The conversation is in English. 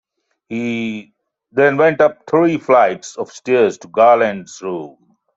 He then went up three flights of stairs to Garland's room.